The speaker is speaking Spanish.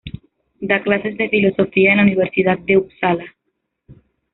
Da clases de filosofía en la Universidad de Upsala.